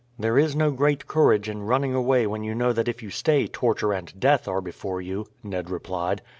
"There is no great courage in running away when you know that if you stay torture and death are before you," Ned replied.